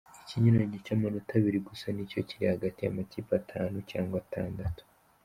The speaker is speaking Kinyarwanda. "Ikinyuranyo cy'amanota abiri gusa ni cyo kiri hagati y'amakipe atanu cyangwa atandatu.